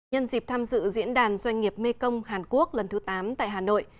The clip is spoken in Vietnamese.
nhân dịp tham dự diễn đàn doanh nghiệp mê công hàn quốc lần thứ tám tại hà nội